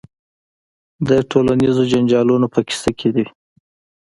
د ټولنیزو جنجالونو په کیسه کې وي.